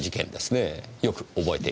よく覚えています。